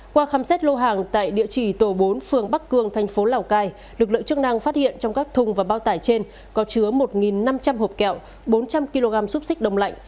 qua khám xét lô hàng tại địa chỉ tổ bốn phường bắc cương thành phố lào cai lực lượng chức năng phát hiện trong các thùng và bao tải trên có chứa một năm trăm linh hộp kẹo bốn trăm linh kg xúc xích đông lạnh